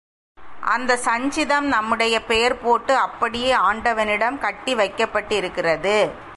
அந்தச் சஞ்சிதம் நம்முடைய பெயர் போட்டு அப்படியே ஆண்டவனிடம் கட்டி வைக்கப்பட்டிருக்கிறது.